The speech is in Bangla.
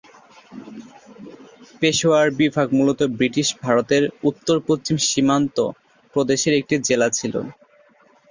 পেশোয়ার বিভাগ মূলত ব্রিটিশ ভারতের উত্তর-পশ্চিম সীমান্ত প্রদেশের একটি জেলা ছিল।